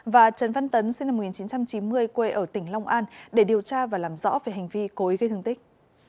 và trần văn tấn sinh năm một nghìn chín trăm chín mươi quê ở tỉnh long an để điều tra và làm rõ về hành vi cố ý gây thương tích